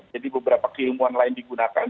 jadi beberapa keilmuan lain digunakan